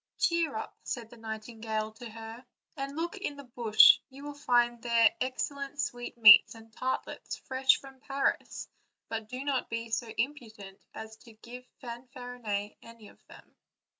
"Cheer up/' said the night ingale to her, "and look in this bush; you will find there excellent sweetmeats and tartlets fresh from Paris; but do not be so imprudent as to give Fanfarinet any of them."